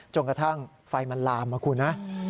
จนกระทั่งไฟมันลามนะคุณนะ